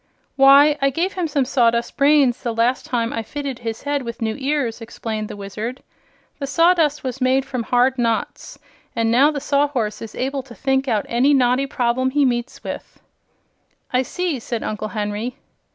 "Why, I gave him some sawdust brains the last time I fitted his head with new ears," explained the Wizard. "The sawdust was made from hard knots, and now the Sawhorse is able to think out any knotty problem he meets with." "I see," said Uncle Henry.